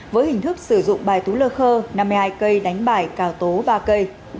với hình thức sử dụng bài tú lơ khơ năm mươi hai cây đánh bài cào tố ba cây